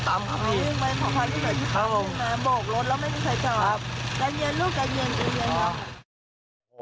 ก็เย็นลูก